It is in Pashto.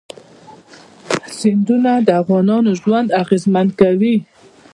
سیندونه د افغانانو ژوند اغېزمن کوي.